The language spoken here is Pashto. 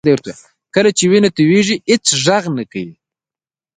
کله چې وینه تویېږي هېڅ غږ نه کوي